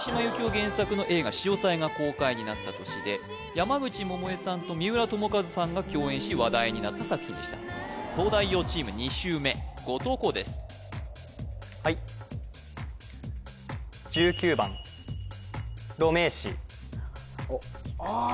原作の映画「潮騒」が公開になった年で山口百恵さんと三浦友和さんが共演し話題になった作品でした東大王チーム２周目後藤弘ですはい・あっああ